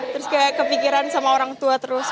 terus kayak kepikiran sama orang tua terus